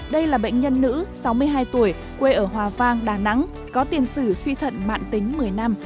đây là bệnh nhân nữ sáu mươi hai tuổi quê ở hòa vang đà nẵng có tiền sử suy thận mạng tính một mươi năm